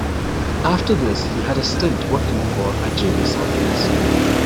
After this he had a stint working for a Jamie Symonds.